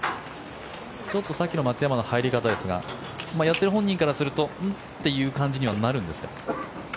ちょっと松山のさっきの入りですがやっている本人からするとうん？という感じにはなるんですか？